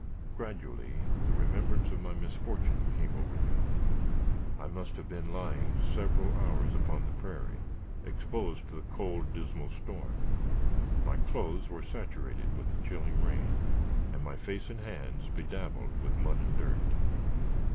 Gradually, the remembrance of my misfortune came over me. I must have been lying several hours upon the prairie, exposed to the cold, dismal storm. My clothes were saturated with the chilling rain, and my face and hands bedabbled with mud and dirt.